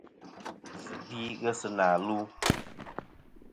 Zɨ gvi ghesi na lu.